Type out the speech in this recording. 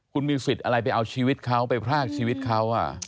คุณมีสิทธิ์อะไรไปเอาชีวิตเขาไปพรากชีวิตเขา